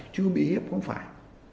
chứ bị hiếp không phải